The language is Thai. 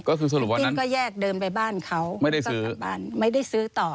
คุณติ้นก็แยกเดินไปบ้านเขาก็กลับบ้านไม่ได้ซื้อต่อ